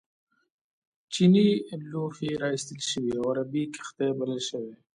چینی لوښي را ایستل شوي او عربي کښتۍ بلل شوي.